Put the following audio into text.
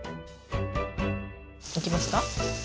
いきますか？